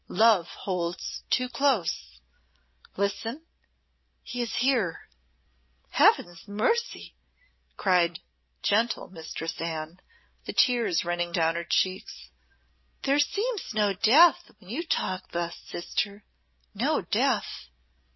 Love holds too close. Listen? He is here!'" "Heaven's mercy!" cried gentle Mistress Anne, the tears running down her cheeks. "There seems no Death, when you talk thus, sister no Death."